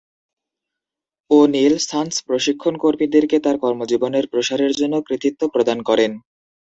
ও'নীল Sons প্রশিক্ষণ কর্মীদেরকে তাঁর কর্মজীবনের প্রসারের জন্য কৃতিত্ব প্রদান করেন।